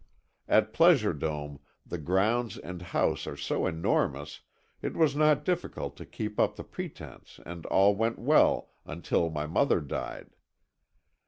At Pleasure Dome, the grounds and house are so enormous it was not difficult to keep up the pretence and all went well until my mother died.